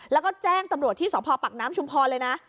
แล้วก็แจ้งตำรวจที่สพปักน้ำชุมพรเลยนะ